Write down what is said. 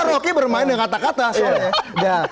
rocky bermain dengan kata kata soalnya